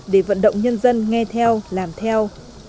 để vận động nhân dân nghe theo làm theo